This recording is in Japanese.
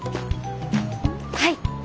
はい！